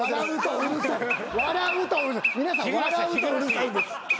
皆さん笑うとうるさいんです。